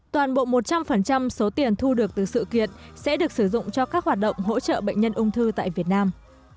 toàn bộ một trăm linh số tiền thu được từ sự kiện sẽ được sử dụng cho các hoạt động hỗ trợ bệnh nhân ung thư tại việt nam